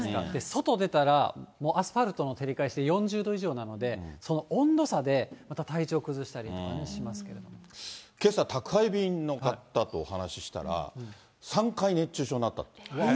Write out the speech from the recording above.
外出たら、もうアスファルトの照り返しで４０度以上なので、温度差で、またけさ、宅配便の方とお話ししたら、３回、熱中症になったと。